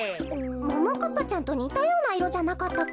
ももかっぱちゃんとにたようないろじゃなかったっけ。